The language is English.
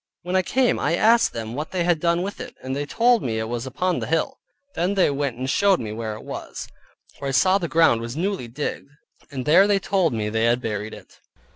When I came I asked them what they had done with it; then they told me it was upon the hill. Then they went and showed me where it was, where I saw the ground was newly digged, and there they told me they had buried it.